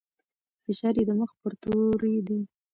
فشار يې د مخ پر توري دی.